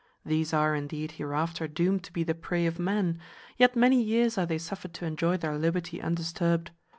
These are, indeed, hereafter doomed to be the prey of man; yet many years are they suffered to enjoy their liberty undisturbed.